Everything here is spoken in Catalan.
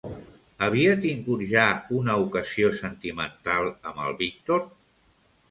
Havia tingut ja una ocasió sentimental amb el Víctor?